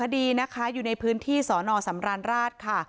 ส่วนของคดีนะคะอยู่ในพื้นที่สหนรศรรรณราชค่ะ